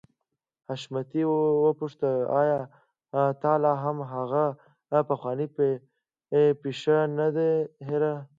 حشمتي وپوښتل آيا تا لا هم هغه پخوانۍ پيښه نه ده هېره.